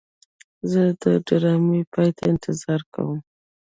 زه د ډرامې پای ته انتظار کوم.